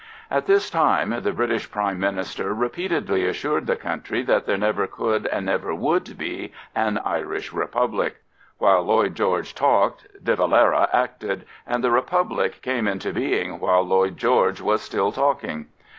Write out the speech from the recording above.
At this time the British Prime Minister repeatedly assured the country that there never could and never would be an Irish Republic; while Lloyd George talked De Valera acted, and the Republic came into being while Lloyd George was still talking.